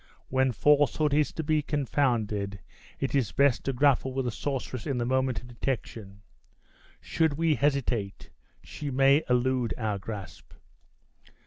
When falsehood is to be confounded, it is best to grapple with the sorceress in the moment of detection; should we hesitate, she may elude our grasp."